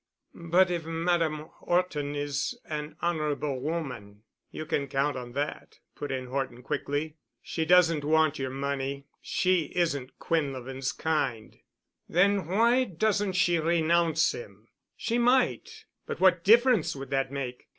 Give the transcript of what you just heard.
"But if Madame Horton is an honorable woman——" "You can count on that," put in Horton quickly. "She doesn't want your money—she isn't Quinlevin's kind——" "Then why doesn't she renounce him?" "She might—but what difference would that make?